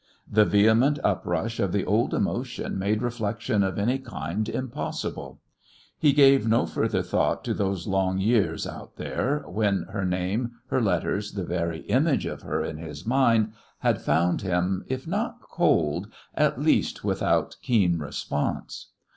The vehement uprush of the old emotion made reflection of any kind impossible. He gave no further thought to those long years "out there," when her name, her letters, the very image of her in his mind, had found him, if not cold, at least without keen response.